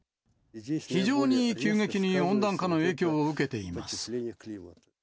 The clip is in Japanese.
非常に急激に温暖化の影響を受けています。